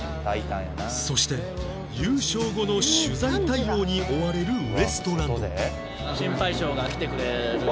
そして優勝後の取材対応に追われるウエストランド